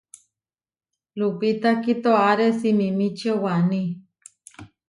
Lupita kitoaré simimíčio Waní.